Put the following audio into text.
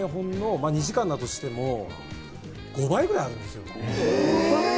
ドラマで使う台本の２時間だとしても、５倍くらいあるんですよ。